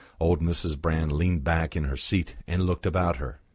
Old Mrs. Brand leaned back in her seat, and looked about her.